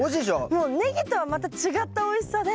もうネギとはまた違ったおいしさで。